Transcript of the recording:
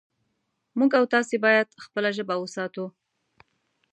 موږ او تاسې باید خپله ژبه وساتو